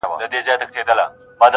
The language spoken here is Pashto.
خو عمر ته په کتو یې شعر پر مشر دی